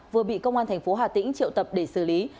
vừa bị công an tp htn triệu tập để xử lý